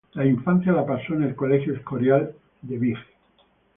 La infancia la pasó en el Colegio Escorial de Vich.